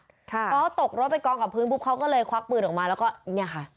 เพราะเขาตกรถไปกองกับพื้นปุ๊บเขาก็เลยควักปืนออกมาแล้วก็เนี่ยค่ะ